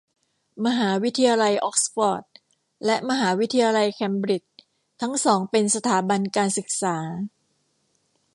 มหาวิทยาลัยอ๊อกซ์ฟอร์ด และ มหาวิทยาลัยแคมบริดจ์ ทั้งสองเป็นสถาบันการศึกษา